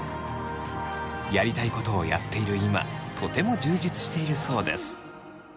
やりたいことをやっている今とても充実しているそうです。